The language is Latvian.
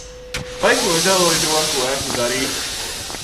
Vai es nožēloju to, ko esmu darījis?